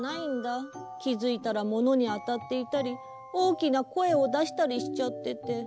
きづいたらものにあたっていたりおおきなこえをだしたりしちゃってて。